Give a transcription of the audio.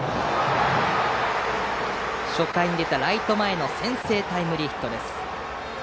初回に出たライト前の先制タイムリーヒット。